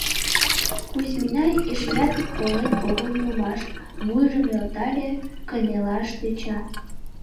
Кузьмина эшеат колен огыл улмаш, вуйжым нӧлтале, кынелаш тӧча.